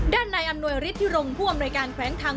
ด้านในอำนวยฤทธิ์ที่ร่งพ่วงในการแขวงทาง